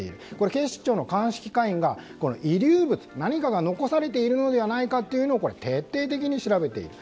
警視庁の鑑識課員が遺留物何かが残されているのではないかというのを徹底的に調べている。